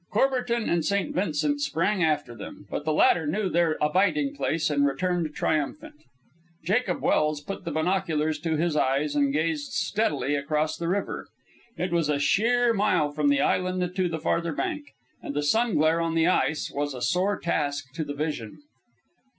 Courbertin and St. Vincent sprang after them, but the latter knew their abiding place and returned triumphant. Jacob Welse put the binoculars to his eyes and gazed steadily across the river. It was a sheer mile from the island to the farther bank, and the sunglare on the ice was a sore task to the vision.